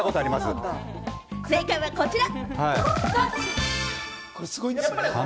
正解はこちら！